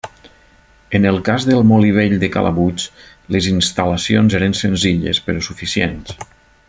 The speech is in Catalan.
En el cas del molí vell de Calabuig, les instal·lacions eren senzilles però suficients.